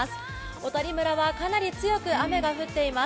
小谷村はかなり強く雨が降っています。